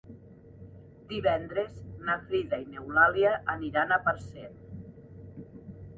Divendres na Frida i n'Eulàlia aniran a Parcent.